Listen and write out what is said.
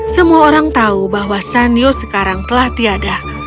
semua orang tahu bahwa shan yu sekarang telah tiada